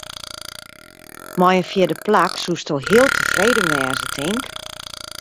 Mei in fjirde plak soesto heel tefreden wêze, tink?